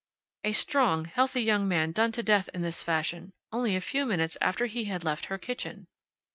A strong, healthy young man done to death in this fashion only a few minutes after he had left her kitchen!